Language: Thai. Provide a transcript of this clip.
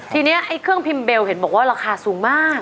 ทีนี้ไอ้เครื่องพิมพ์เบลเห็นบอกว่าราคาสูงมาก